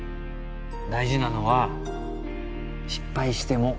大事なのは失敗しても